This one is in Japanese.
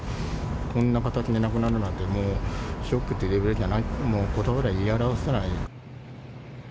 こんな形で亡くなるなんて、もうショックというレベルじゃない、もうことばで言い表せない。